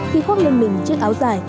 khi khoác lên mình chiếc áo giải